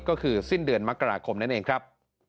ก็คือสิ้นเดือนมกรากฟรรณ์